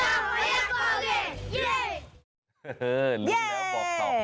เย้ดูแลกว่าต่อ